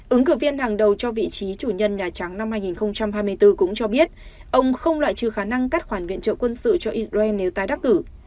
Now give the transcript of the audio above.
ứng cử viên hàng đầu cho vị trí chủ nhân nhà trắng năm hai nghìn hai mươi bốn cũng cho biết ông không loại trừ khả năng cắt khoản viện trợ quân sự cho israel nếu tái đắc cử